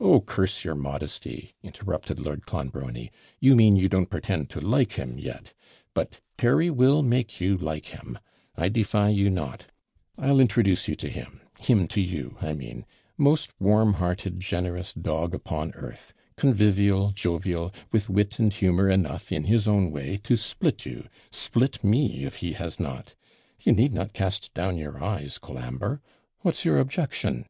'Oh, curse your modesty!' interrupted Lord Clonbrony; 'you mean, you don't pretend to like him yet; but Terry will make you like him. I defy you not. I'll introduce you to him him to you, I mean most warn hearted, generous dog upon earth convivial jovial with wit and humour enough, in his own way, to split you split me if he has not. You need not cast down your eyes, Colambre. What's your objection?'